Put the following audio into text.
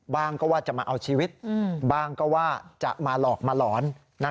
ว่าก็ว่าจะมาเอาชีวิตบ้างก็ว่าจะมาหลอกมาหลอน